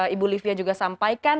ibu livia juga sampaikan